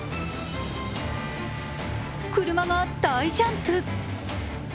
車が大ジャンプ。